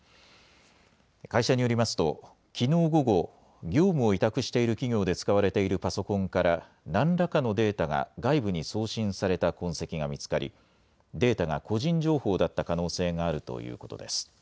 会社によりますと、きのう午後、業務を委託している企業で使われているパソコンからなんらかのデータが外部に送信された痕跡が見つかり、データが個人情報だった可能性があるということです。